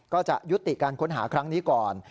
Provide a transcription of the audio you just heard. ก็จะยุติการค้นหาครั้งนี้ก่อน